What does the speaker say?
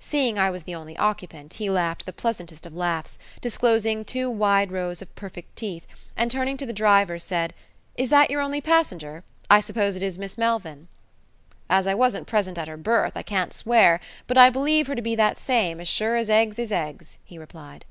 Seeing I was the only occupant, he laughed the pleasantest of laughs, disclosing two wide rows of perfect teeth, and turning to the driver, said, "Is that your only passenger? I suppose it is Miss Melvyn?" "As I wasn't present at her birth, I can't swear, but I believe her to be that same, as sure as eggs is eggs," he replied.